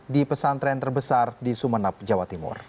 di pesantren terbesar di sumeneb jawa timur